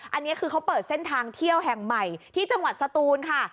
อันนี้คือเขาเปิดเส้นทางเที่ยวแห่งใหม่ที่จังหวัดสตูนค่ะ